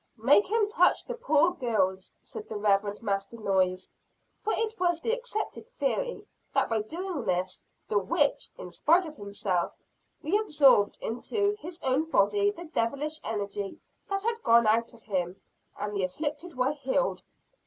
"Make him touch the poor girls," said the Reverend Master Noyes. For it was the accepted theory that by doing this, the witch, in spite of himself, reabsorbed into his own body the devilish energy that had gone out of him, and the afflicted were healed.